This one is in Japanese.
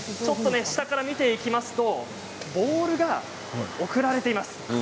下から見ていきますとボールが送られています。